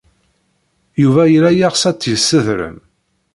Yuba yella yeɣs ad tt-yessedrem.